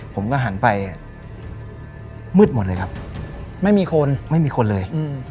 ผมก็หันไปมืดหมดเลยครับไม่มีคนไม่มีคนเลย